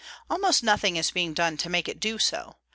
_ Almost nothing is being done to make it do so.